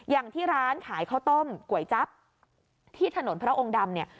อย่างที่ร้านขายข้าวต้มก๋วยจั๊บที่ถนนพระองค์ดำเนี่ย